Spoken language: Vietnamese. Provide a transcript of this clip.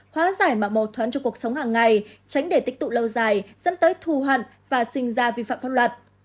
hóa giải mà mâu thuẫn cho cuộc sống hàng ngày tránh để tích tụ lâu dài dẫn tới thù hận và sinh ra vi phạm pháp luật